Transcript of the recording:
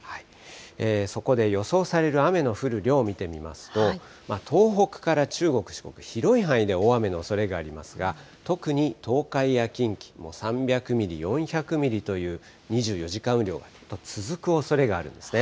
そこで予想される雨の降る量見てみますと、東北から中国、四国、広い範囲で大雨のおそれがありますが、特に東海や近畿、もう３００ミリ、４００ミリという２４時間雨量が続くおそれがあるんですね。